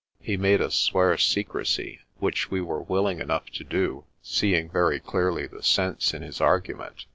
He made us swear secrecy, which we were willing enough to do, seeing very clearly the sense in his argument.